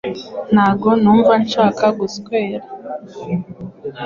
Ntabwo numva nshaka guswera.